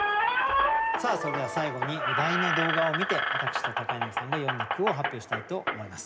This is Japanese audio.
それでは最後にお題の動画を観て私と柳さんが詠んだ句を発表したいと思います。